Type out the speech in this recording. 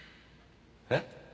えっ？